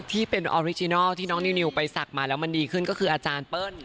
ที่เป็นออริจินัลที่น้องนิวไปศักดิ์มาแล้วมันดีขึ้นก็คืออาจารย์เปิ้ล